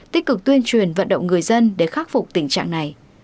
tích cực tuyên truyền vận động người dân để khắc phục tình trạng này